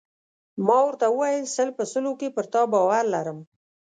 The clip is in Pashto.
ما ورته وویل: سل په سلو کې پر تا باور لرم.